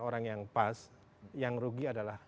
orang yang pas yang rugi adalah